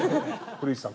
古市さん